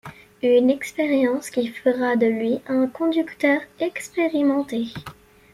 Une expérience qui fera de lui un conducteur expérimenté.